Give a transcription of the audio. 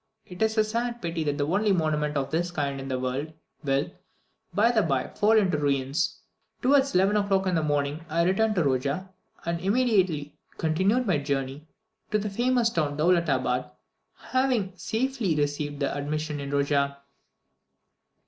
It is a sad pity that the only monument of this kind in the world will, by and bye, fall into ruins. Towards 11 o'clock in the morning I returned to Roja, and immediately continued my journey to the famous fortress Dowlutabad, having safely received the admission in Roja.